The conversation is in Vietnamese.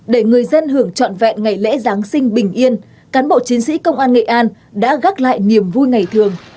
để người dân hưởng trọn vẹn ngày lễ giáng sinh bình yên cán bộ chiến sĩ công an nghệ an đã gác lại niềm vui ngày thường